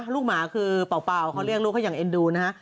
ลูกหมาคือเปล่าเค้าเรียกลูกเขาเป็นเอ็นดูนะคะ